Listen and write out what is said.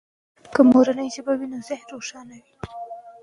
که مورنۍ ژبه وي نو ذهن روښانه وي.